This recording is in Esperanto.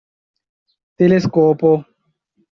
teleskopo